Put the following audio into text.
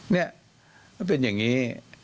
นี่มันเป็นอย่างนี้